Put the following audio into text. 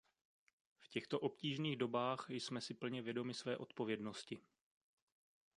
V těchto obtížných dobách jsme si plně vědomi své odpovědnosti.